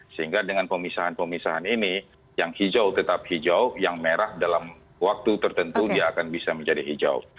sehingga dengan pemisahan pemisahan ini yang hijau tetap hijau yang merah dalam waktu tertentu dia akan bisa menjadi hijau